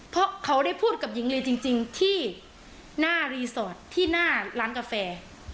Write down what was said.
เพราะเขาได้พูดกับหญิงลีจริงที่หน้ารีสอร์ทที่หน้าร้านกาแฟ